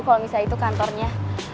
kalo misalnya itu kantornya